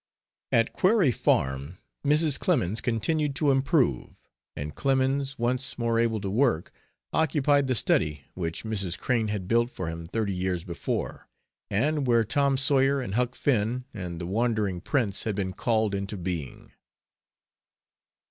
At Quarry Farm Mrs. Clemens continued to improve, and Clemens, once more able to work, occupied the study which Mrs. Crane had built for him thirty years before, and where Tom Sawyer and Huck Finn and the Wandering Prince had been called into being.